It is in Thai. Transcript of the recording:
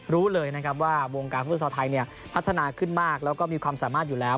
รู้เลยนะครับว่าวงการฟุตซอลไทยพัฒนาขึ้นมากแล้วก็มีความสามารถอยู่แล้ว